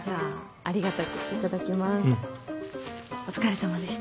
お疲れさまでした。